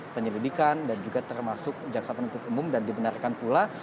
penyelidikan dan juga termasuk jaksa penuntut umum dan dibenarkan pula